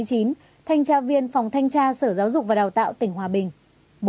thanh tra viên phòng thanh tra sở giáo dục và đào tạo tỉnh hòa bình